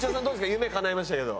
夢かないましたけど。